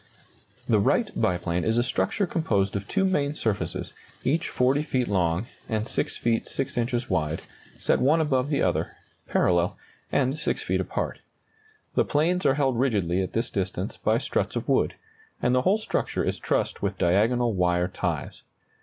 The Wright biplane is a structure composed of two main surfaces, each 40 feet long and 6 feet 6 inches wide, set one above the other, parallel, and 6 feet apart. The planes are held rigidly at this distance by struts of wood, and the whole structure is trussed with diagonal wire ties.